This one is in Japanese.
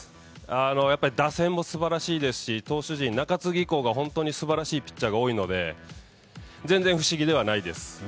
やはり打線もすばらしいですし、投手陣、中継ぎ以降が本当にすばらしいピッチャーが多いので全然不思議ではないです。